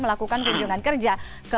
melakukan kunjungan kerja